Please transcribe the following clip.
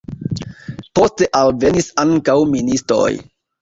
Poste alvenis ankaŭ ministoj.